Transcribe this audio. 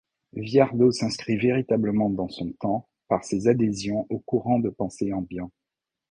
Viardot s’inscrit véritablement dans son temps par ses adhésions aux courants de pensée ambiants.